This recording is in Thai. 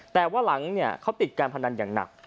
แต่ว่าหลังเขาติดการพนันอย่างหนัก